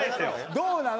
どうなの？